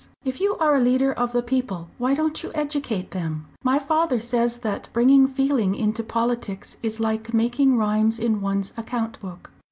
If you are a leader of the people, why don't you educate them? My father says that bringing feeling into politics is like making rhymes in one's account book."